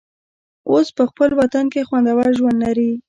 اوس په خپل وطن کې خوندور ژوند لري.